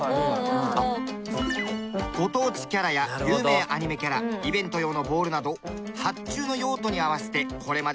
ご当地キャラや有名アニメキャライベント用のボールなど発注の用途に合わせてこれまで